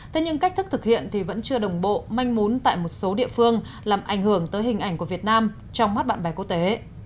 thế nhưng cách thức thực hiện thì vẫn chưa đồng bộ manh mún tại một số địa phương làm ảnh hưởng tới hình ảnh của việt nam trong mắt bạn bè quốc tế